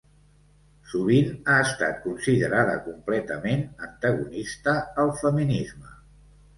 Sovint ha estat considerada completament antagonista al feminisme.